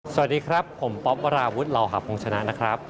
สวัสดีครับผมป๊อปวราวุฒิเหล่าหาพงษณะนะครับ